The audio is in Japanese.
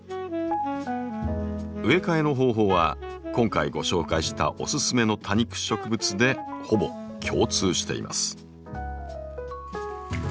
植え替えの方法は今回ご紹介したおススメの多肉植物でほぼ共通しています。